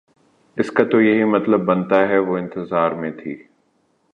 اس کا تو یہی مطلب بنتا ہے وہ انتظار میں تھی